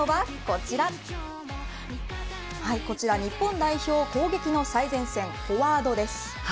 こちら、日本代表攻撃の最前線フォワードです。